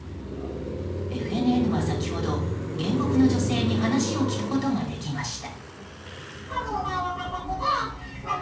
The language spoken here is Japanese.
ＦＮＮは先ほど、原告の女性に話を聞くことができました。